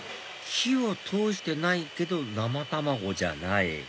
火を通してないけど生卵じゃない？